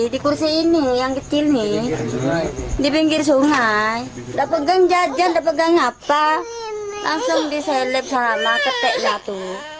di pinggir sungai dia pegang jajan dia pegang apa langsung diselip sama ketiknya itu